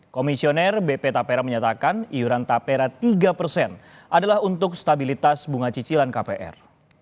komisioner bp tapera menyatakan iuran tapera tiga persen adalah untuk stabilitas bunga cicilan kpr